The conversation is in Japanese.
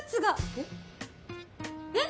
えっ？えっ？